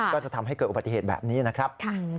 ก็จะทำให้เกิดอุบัติเหตุแบบนี้นะครับ